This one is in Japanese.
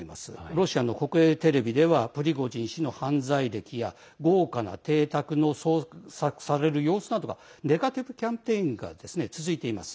ロシアの国営テレビではプリゴジン氏の犯罪歴や豪華な邸宅が創作される様子などネガティブキャンペーンが続いています。